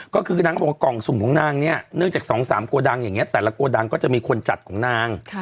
ก็คือนางก็บอกว่ากล่องสุ่มของนางเนี่ยเนื่องจาก๒๓โกดังอย่างนี้แต่ละโกดังก็จะมีคนจัดของนาง